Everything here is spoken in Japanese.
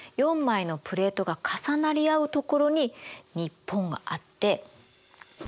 ４枚のプレートが重なり合う所に日本があって。